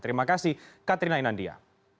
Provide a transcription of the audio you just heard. terima kasih katrina inandia